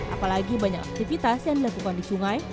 apalagi banyak aktivitas yang dilakukan di sungai